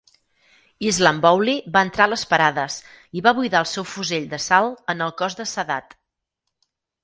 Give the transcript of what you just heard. Islambouli va entrar a les parades i va buidar el seu fusell d'assalt en el cos de Sadat.